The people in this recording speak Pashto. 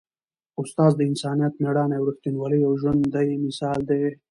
استاد د انسانیت، مېړانې او ریښتینولۍ یو ژوندی مثال دی.